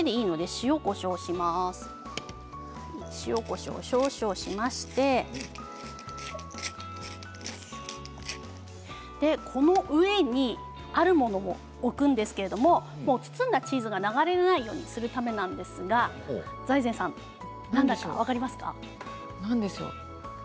塩、こしょう少々しましてこの上にあるものを置くんですけどもう包んだチーズが流れないようにするんですが財前さん、何だか分かりますか？